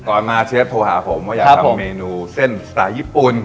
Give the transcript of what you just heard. มาเชฟโทรหาผมว่าอยากทำเมนูเส้นสไตล์ญี่ปุ่น